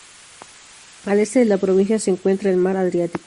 Al este de la provincia se encuentra el Mar Adriático.